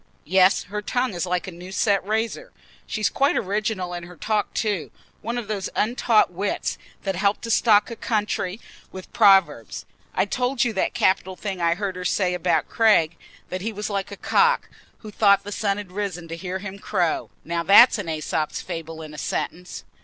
Yes, her tongue is like a new set razor. She's quite original in her talk too; one of those untaught wits that help to stock a country with proverbs. I told you that capital thing I heard her say about Craig—that he was like a cock, who thought the sun had risen to hear him crow. Now that's an Æsop's fable in a sentence."